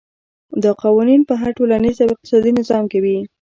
دا قوانین په هر ټولنیز او اقتصادي نظام کې وي.